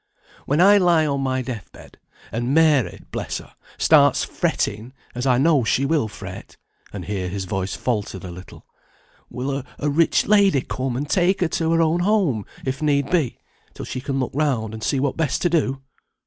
When I lie on my death bed, and Mary (bless her) stands fretting, as I know she will fret," and here his voice faltered a little, "will a rich lady come and take her to her own home if need be, till she can look round, and see what best to do?